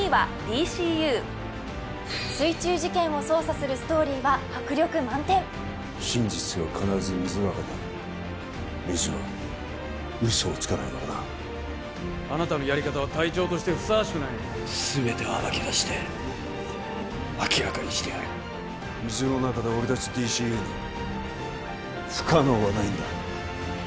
水中事件を捜査するストーリーは迫力満点真実は必ず水の中にある水はウソをつかないからなあなたのやり方は隊長としてふさわしくない全てを暴き出して明らかにしてやる水の中で俺達ＤＣＵに不可能はないんだ